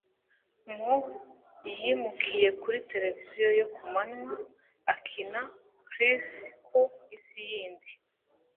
Mu , yimukiye kuri tereviziyo yo ku manywa, akina Chris ku Isi Yindi.